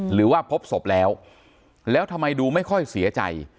หรือว่าพบศพแล้วแล้วทำไมดูไม่ค่อยเสียใจ